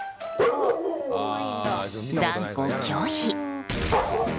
断固拒否！